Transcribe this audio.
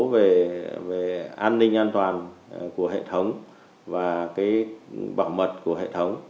yếu tố về an ninh an toàn của hệ thống và cái bảo mật của hệ thống